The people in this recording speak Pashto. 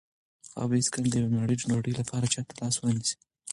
هغه به هیڅکله د یوې مړۍ ډوډۍ لپاره چا ته لاس ونه نیسي.